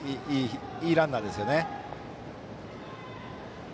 いいランナーですね。